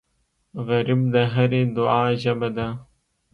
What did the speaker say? غریب د هرې دعا ژبه ده